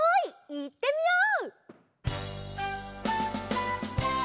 いってみよう！